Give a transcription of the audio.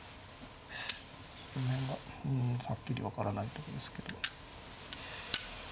この辺がうんはっきり分からないとこですけど。